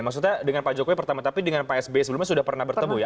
maksudnya dengan pak jokowi pertama tapi dengan pak sby sebelumnya sudah pernah bertemu ya